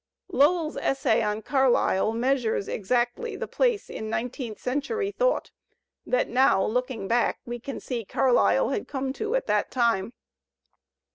Lowell's essay on Carlyle measures exactly the place in nineteenth centuiy thought that now, looking back, we can see Carlyle had come to at that time.